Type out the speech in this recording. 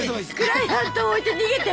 クライアント置いて逃げて！